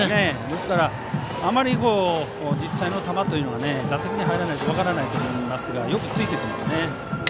ですから、あまり実際の球は打席に入らないと分からないと思いますがよくついていっていますね。